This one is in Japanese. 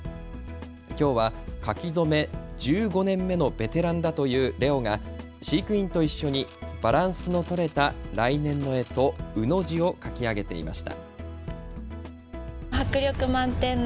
きょうは書き初め１５年目のベテランだというレオが飼育員と一緒にバランスの取れた来年のえと、卯の字を書き上げていました。